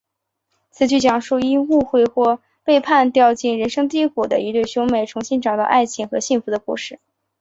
此剧讲述因误会和背叛掉进人生低谷的一对兄妹重新找到爱情和幸福的故事。